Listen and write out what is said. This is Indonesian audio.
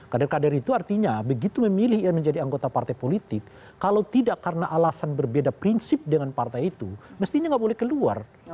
kader kader itu artinya begitu memilih menjadi anggota partai politik kalau tidak karena alasan berbeda prinsip dengan partai itu mestinya nggak boleh keluar